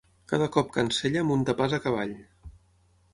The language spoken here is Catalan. Cada cop que ensella, munta pas a cavall.